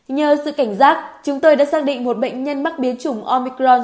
nhờ sự cảnh giác chúng tôi đã xác định một bệnh nhân mắc biến chủng omicron